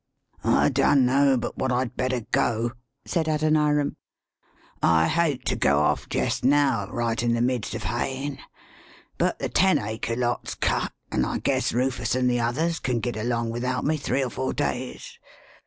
] "I dun know but what I'd better go," [said Adoniram]. " I hate to go off jest now, right in the midst of hayin', but the ten acre lot's cut, an' I guess Rufus an' the others can git along without me three or four days.